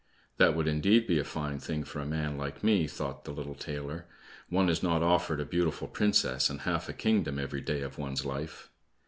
"That would indeed be a fine thing for a man like me!" thought the little tailor. "One is not offered a beautiful princess and half a kingdom every day of one's life!"